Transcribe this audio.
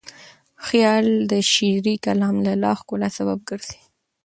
خیال د شعري کلام د لا ښکلا سبب ګرځي.